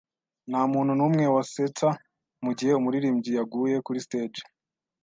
Ntamuntu numwe wasetsa mugihe umuririmbyi yaguye kuri stage.